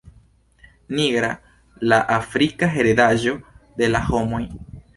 Nigra, la afrika heredaĵo de la homoj.